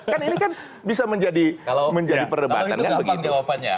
kan ini kan bisa menjadi perdebatan kalau itu gampang jawabannya